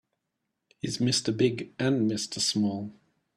He's Mr. Big and Mr. Small.